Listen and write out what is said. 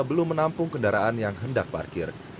belum menampung kendaraan yang hendak parkir